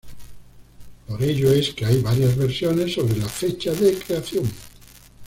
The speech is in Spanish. Por ello es que hay varias versiones sobre la fecha de creación.